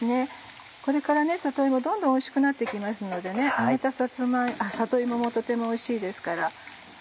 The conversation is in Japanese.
これから里芋どんどんおいしくなって来ますので揚げた里芋もとてもおいしいですから。